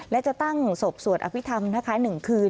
และจะตั้งศพสวดอภิษฐรรมนะคะ๑คืน